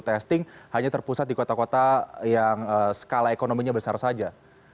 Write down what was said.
testing hanya terpusat di kota kota yang skala ekonominya besar saja